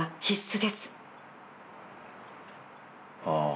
ああ。